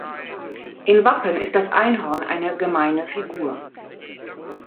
In Wappen ist das Einhorn eine „Gemeine Figur“.